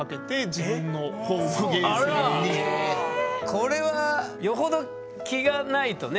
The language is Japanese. これはよほど気がないとね。